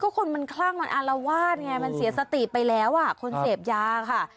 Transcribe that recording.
คนมันคลั่งมันอารวาสไงมันเสียสติไปแล้วอ่ะคนเสพยาค่ะ